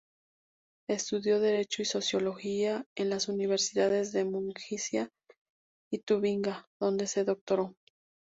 Estudió derecho y sociología en las universidades de Maguncia y Tubinga, donde se doctoró.